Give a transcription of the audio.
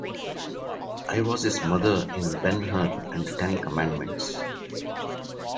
I was his mother in "Ben Hur" and "The Ten Commandments".